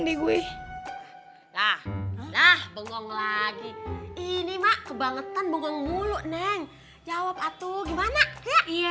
deh gue nah nah bengong lagi ini mak kebangetan bengong mulu neng jawab atuh gimana iya iya iya